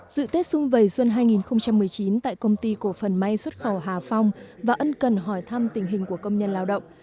dự tết xuân vầy xuân hai nghìn một mươi chín tại công ty cổ phần may xuất khẩu hà phong và ân cần hỏi thăm tình hình của công nhân lao động